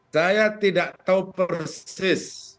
saya tidak tahu persis